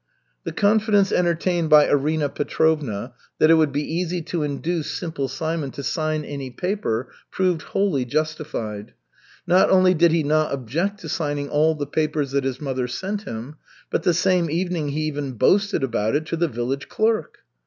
The confidence entertained by Arina Petrovna that it would be easy to induce Simple Simon to sign any paper proved wholly justified. Not only did he not object to signing all the papers that his mother sent him, but the same evening he even boasted about it to the village clerk.